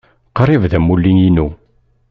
Qrib d amulli-inu.